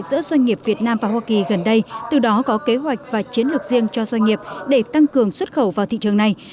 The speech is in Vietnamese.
giữa doanh nghiệp việt nam và hoa kỳ gần đây từ đó có kế hoạch và chiến lược riêng cho doanh nghiệp để tăng cường xuất khẩu vào thị trường này